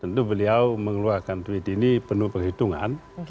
tentu beliau mengeluarkan tweet ini penuh penghitungan